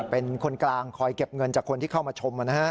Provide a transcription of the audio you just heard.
เป็นคนกลางคอยเก็บเงินจากคนที่เข้ามาชม